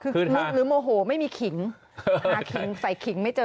หรือโหมโหไม่มีขิงใส่ขิงไม่เจอ